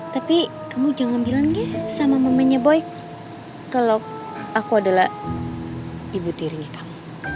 tapi kamu jangan bilang ya sama mamanya boy kalo aku adalah ibu dirinya kamu